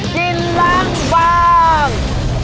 กินล้างบาง